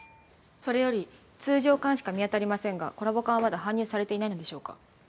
それより通常缶しか見当たりませんがコラボ缶はまだ搬入されていないのでしょうか？